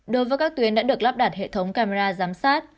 đối với các tuyến đã được lắp đặt hệ thống camera giám sát